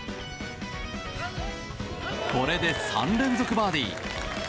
これで３連続バーディー。